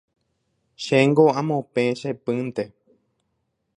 Chéngo amopẽ che pýnte.